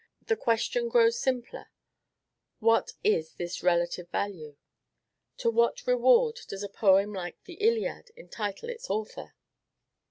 The question grows simpler: what is this relative value? To what reward does a poem like the "Iliad" entitle its author?